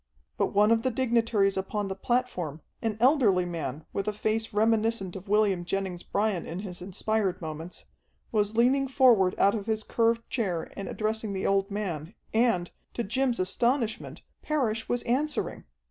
But one of the dignitaries upon the platform, an elderly man with a face reminiscent of William Jennings Bryan in his inspired moments, was leaning forward out of his curved chair and addressing the old man, and, to Jim's astonishment, Parrish was answering.